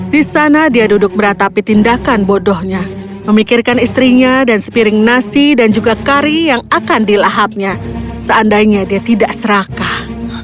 di sana dia duduk meratapi tindakan bodohnya memikirkan istrinya dan sepiring nasi dan juga kari yang akan dilahapnya seandainya dia tidak serakah